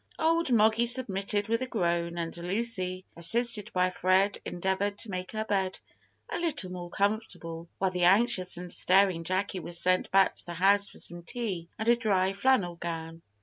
Old Moggy submitted with a groan, and Lucy, assisted by Fred, endeavoured to make her bed a little more comfortable, while the anxious and staring Jacky was sent back to the house for some tea and a dry flannel gown.